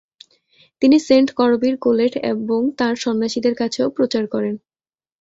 তিনি সেন্ট করবির কোলেট এবং তার সন্ন্যাসীদের কাছেও প্রচার করেন।